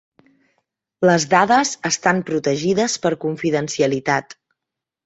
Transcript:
Les dades estan protegides per confidencialitat.